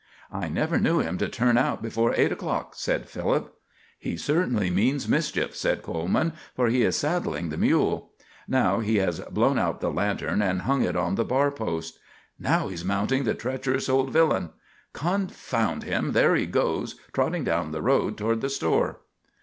"I never knew him to turn out before eight o'clock," said Philip. "He certainly means mischief," said Coleman, "for he is saddling the mule. Now he has blown out the lantern and hung it on the bar post. Now he is mounting, the treacherous old villain! Confound him! there he goes trotting down the road toward the store."